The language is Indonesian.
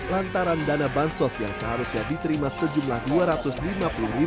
lantaran dana bansos yang seharusnya diterima sejumlah rp dua ratus lima puluh